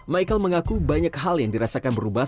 michael mengaku banyak hal yang dirasakan berubah